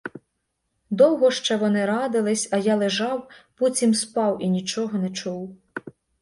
Довго ще вони радились, а я лежав, буцім спав і нічого не чув.